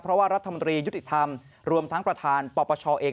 เพราะว่ารัฐมนตรียุติธรรมรวมทั้งประธานปปชเอง